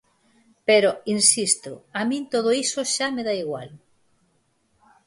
Pero, insisto, a min todo iso xa me dá igual.